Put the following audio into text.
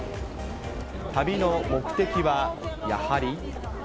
旅の目的はやはり。